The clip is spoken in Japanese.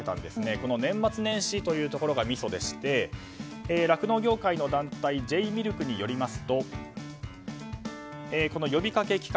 この年末年始というところがみそでして酪農業界の団体Ｊミルクによりますとこの呼びかけ期間